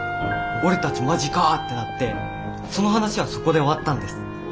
俺たち「まじか」ってなってその話はそこで終わったんです。